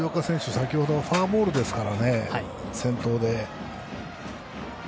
先程、フォアボールですから先頭で。